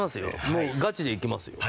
もうガチでいきますよ。